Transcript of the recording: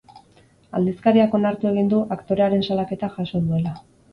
Aldizkariak onartu egin du aktorearen salaketa jaso duela.